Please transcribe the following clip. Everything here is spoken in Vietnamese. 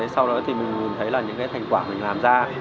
sau đó thì mình nhìn thấy là những cái thành quả mình làm ra